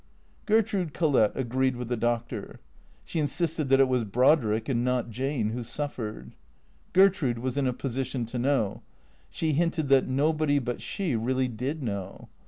Gertrude Collett agreed with the Doctor. She insisted that it was Brodrick and not Jane who suffered. Gertrude was in a position to know. She hinted that nobody but she really did know.